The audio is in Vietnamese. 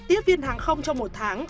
tiếp viên hàng không trong một tháng